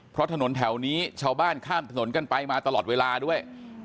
เพราะถนนแถวนี้ชาวบ้านข้ามถนนกันไปมาตลอดเวลาด้วย